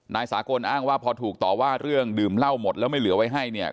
นายสากลอ้างว่าพอถูกต่อว่าเรื่องดื่มเหล้าหมดแล้วไม่เหลือไว้ให้เนี่ย